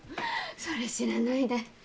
それ知らないで。